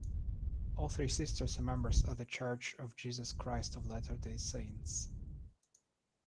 All three sisters are members of The Church of Jesus Christ of Latter-day Saints.